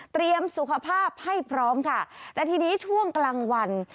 สุขภาพให้พร้อมค่ะแต่ทีนี้ช่วงกลางวัน